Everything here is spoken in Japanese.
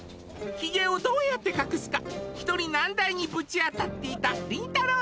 ヒゲをどうやって隠すか一人難題にぶち当たっていたりんたろー。